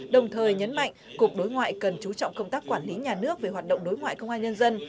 đồng thời nhấn mạnh cục đối ngoại cần chú trọng công tác quản lý nhà nước về hoạt động đối ngoại công an nhân dân